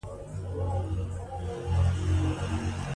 د اندازه کولو وروسته ورنیز کالیپر پاک او خوندي وساتئ.